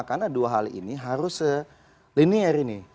karena dua hal ini harus selinier ini